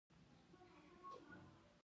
له ډېر پخوا څخه ورسره پېژندل.